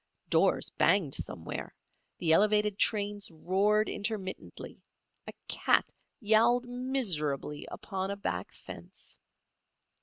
Doors banged somewhere; the elevated trains roared intermittently; a cat yowled miserably upon a back fence.